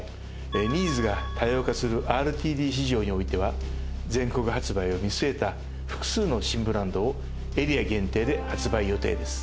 ニーズが多様化するＲＴＤ市場においては全国発売を見据えた複数の新ブランドをエリア限定で発売予定です。